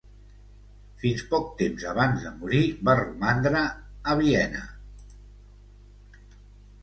Fins poc temps abans de morir va romandre a Viena.